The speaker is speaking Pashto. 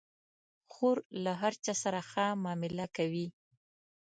خور له هر چا سره ښه معامله کوي.